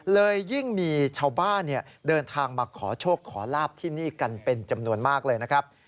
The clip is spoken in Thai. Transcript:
ยิ่งมีชาวบ้านเดินทางมาขอโชคขอลาบที่นี่กันเป็นจำนวนมากเลยนะครับ